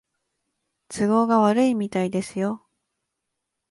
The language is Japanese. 都合が悪いみたいですよ